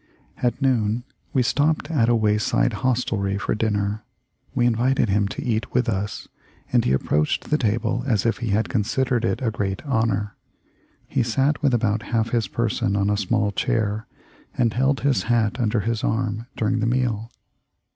At noon we stopped at a way side hostelry for dinner. We invited him to eat with us, and he approached the table as if he con sidered it a great honor. He sat with about half his person on a small chair, and held his hat under his arm during the meal.